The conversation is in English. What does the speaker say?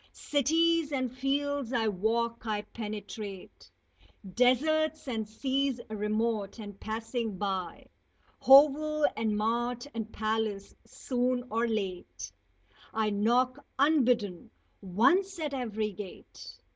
Cities and fields I walk; I penetrate Deserts and seas remote, and passing by Hovel and mart and palace soon or late I knock, unbidden, once at every gate!